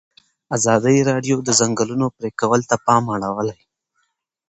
ازادي راډیو د د ځنګلونو پرېکول ته پام اړولی.